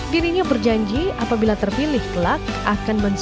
dirinya berjanji apabila terpilih kelak akan mencari